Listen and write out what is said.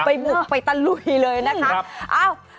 ไปบุกไปตะลุยเลยนะคะ